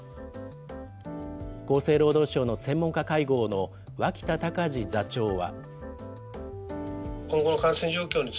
厚生労働省の専門家会合の脇田隆字座長は。